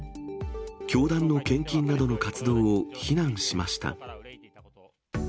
教団の献金などの活動を非難しました。